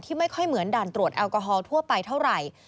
ไม่ค่อยเหมือนด่านตรวจแอลกอฮอล์ทั่วไปเท่าไหร่